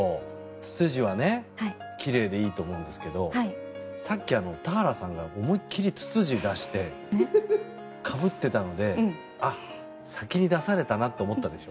ツツジは奇麗でいいと思うんですけどさっき、田原さんが思いっ切りツツジを出してかぶってたのであっ、先に出されたなと思ったでしょ？